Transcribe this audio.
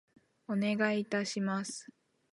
お願い致します。